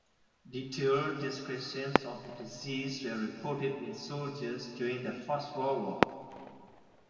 Detailed descriptions of the disease were reported in soldiers during the First World War.